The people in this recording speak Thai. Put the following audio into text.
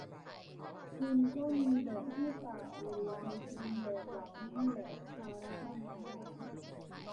ทุนก็มีแบบให้เปล่าหรือใช้คืน แบบหลังนี่แหละภาระมหาศาล